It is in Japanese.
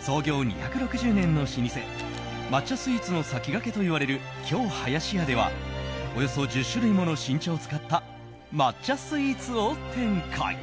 創業２６０年の老舗抹茶スイーツの先駆けといわれる京はやしやではおよそ１０種類もの新茶を使った抹茶スイーツを展開。